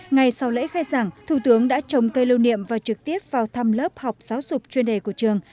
ngày sau lễ khai giảng thủ tướng đã trồng cây lưu niệm và trực tiếp vào thăm lớp học giáo dục chuyên đề của trường